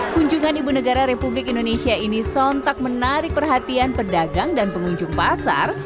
kunjungan ibu negara republik indonesia ini sontak menarik perhatian pedagang dan pengunjung pasar